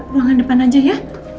ruangan depan aja ya